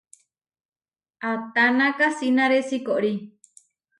¿Atána kasínare siikorí?